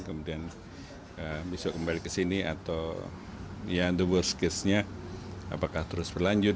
kemudian besok kembali ke sini atau ya the worst case nya apakah terus berlanjut